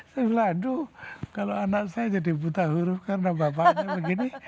saya bilang aduh kalau anak saya jadi buta huruf karena bapaknya begini